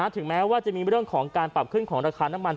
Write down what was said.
ถึงแม้ว่าจะมีเรื่องของการปรับขึ้นของราคาน้ำมัน